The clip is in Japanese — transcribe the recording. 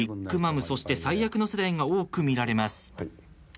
そして最悪の世代が多く見られます。